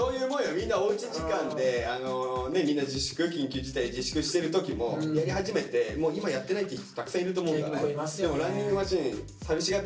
みんなおうち時間でみんな自粛緊急事態で自粛してる時もやり始めてもう今やってないって人たくさんいると思うから。